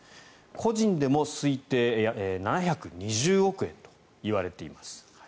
個人でも推定７２０億円といわれています。